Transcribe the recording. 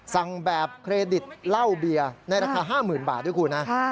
สั่งแบบเครดิตเหล้าเบียร์ในราคา๕๐๐๐บาทด้วยคุณนะ